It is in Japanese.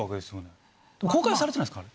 公開されてないんですか？